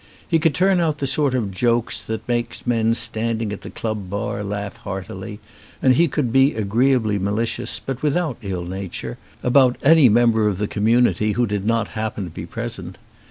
He could turn out the sort of jokes that make men standing at the club bar laugh heartily, and he could be agree ably malicious, but without ill nature, about any member of the community, who did not happen to be present.